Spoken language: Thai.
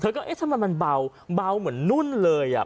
เธอก็เอ๊ะมันเป็อเบาเบาเหมือนนู่นเลยอ่ะ